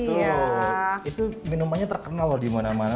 itu minumannya terkenal loh dimana mana